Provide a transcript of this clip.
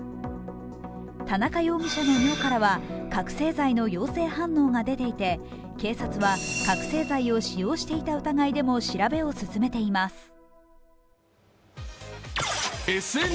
田中容疑者の尿からは覚醒剤の陽性反応が出ていて警察は覚醒剤を使用していた疑いでも調べを進めています。